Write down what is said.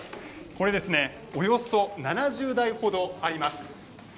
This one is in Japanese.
これ、およそ７０台ほどあります。